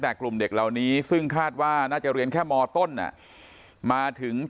แต่กลุ่มเด็กเหล่านี้ซึ่งคาดว่าน่าจะเรียนแค่มต้นมาถึง